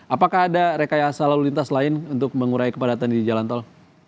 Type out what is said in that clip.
apakah ada rekayasa lalu lintas lain untuk mengurai kepadatan di jalan tol